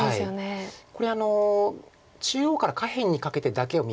これ中央から下辺にかけてだけを見ますと。